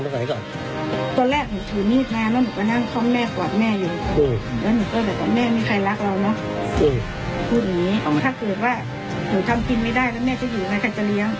พูดอย่างนี้ถ้าเกิดว่าหนูทำกินไม่ได้แล้วแม่จะอยู่ไหนใครจะเลี้ยง